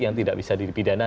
yang tidak bisa dipidana